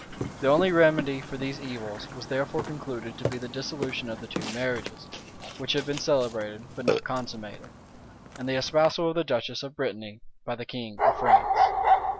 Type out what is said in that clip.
The only remedy for these evils was therefore concluded to be the dissolution of the two marriages, which had been celebrated, but not consummated; and the espousal of the duchess of Brittany by the king of France.